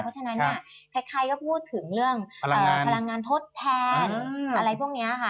เพราะฉะนั้นเนี่ยใครก็พูดถึงเรื่องพลังงานทดแทนอะไรพวกนี้ค่ะ